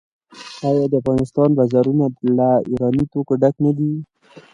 آیا د افغانستان بازارونه له ایراني توکو ډک نه دي؟